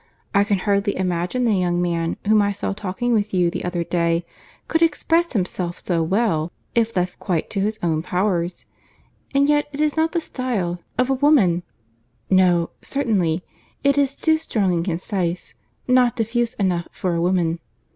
I can hardly imagine the young man whom I saw talking with you the other day could express himself so well, if left quite to his own powers, and yet it is not the style of a woman; no, certainly, it is too strong and concise; not diffuse enough for a woman.